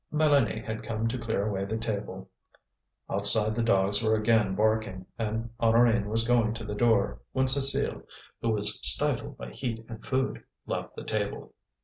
Mélanie had come to clear away the table. Outside the dogs were again barking, and Honorine was going to the door, when Cécile, who was stifled by heat and food, left the table.